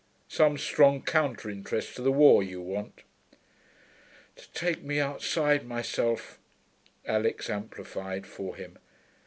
Some strong counter interest to the war, you want.' 'To take me outside myself,' Alix amplified for him.